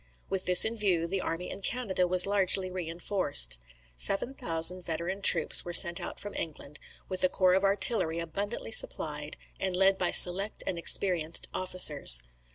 With this view, the army in Canada was largely reinforced. Seven thousand veteran troops were sent out from England, with a corps of artillery abundantly supplied, and led by select and experienced officers.